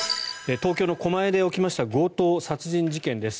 東京の狛江で起きました強盗殺人事件です。